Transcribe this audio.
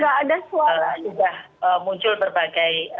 sudah muncul berbagai